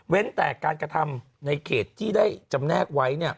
แต่การกระทำในเขตที่ได้จำแนกไว้